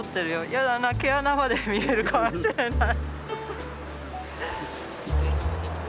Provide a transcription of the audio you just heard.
やだな毛穴まで見えるかもしれない。